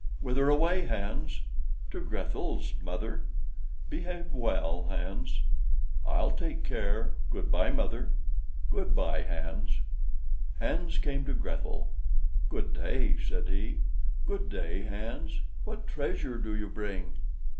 "Whither away, Hans?" "To Grethel's, mother." "Behave well, Hans." "I'll take care; good by, mother." "Good by, Hans." Hans came to Grethel. "Good day," said he. "Good day, Hans. What treasure do you bring?"